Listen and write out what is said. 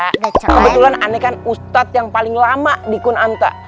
kebetulan aneh kan ustadz yang paling lama di kunanta